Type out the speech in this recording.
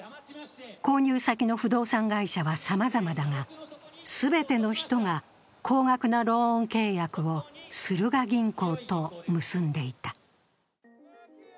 購入先の不動産会社はさまざまだが、全ての人が高額なローン契約をスルガ銀行と結んでいた。